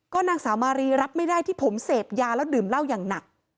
นางสาวมารีรับไม่ได้ที่ผมเสพยาแล้วดื่มเหล้าอย่างหนัก